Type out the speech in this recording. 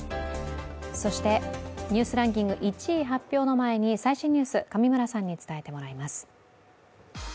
そして「ニュースランキング」１位発表の前に最新ニュース、上村さんに伝えていただきます。